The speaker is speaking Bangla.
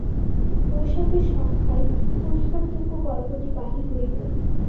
বৈশাখের সংখ্যায় পুরস্কারযোগ্য গল্পটি বাহির হইবে।